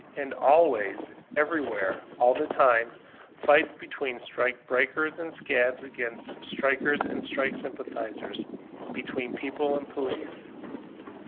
And always, everywhere, all the time, fights between strike breakers and scabs against strikers and strike sympathizers, be tween People and Police.